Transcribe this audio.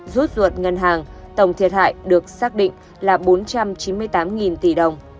rút ruột ngân hàng tổng thiệt hại được xác định là bốn trăm chín mươi tám tỷ đồng